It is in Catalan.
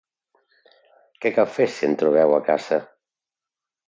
Què cal fer si en trobeu a casa?